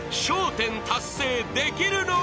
１０達成できるのか？］